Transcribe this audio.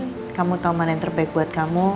jalanin kamu tau mana yang terbaik buat kamu